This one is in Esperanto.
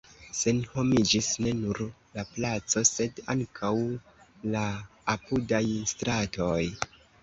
Senhomiĝis ne nur la placo, sed ankaŭ la apudaj stratoj.